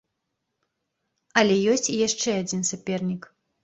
Але ёсць і яшчэ адзін сапернік.